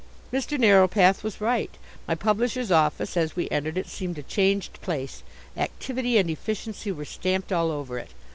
Mr. Narrowpath was right. My publishers' office, as we entered it, seemed a changed place. Activity and efficiency were stamped all over it.